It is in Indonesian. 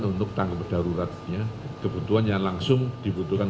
untuk tanggap daruratnya kebutuhan yang langsung dibutuhkan